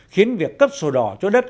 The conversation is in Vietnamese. khiến việc cấp sổ đỏ cho đất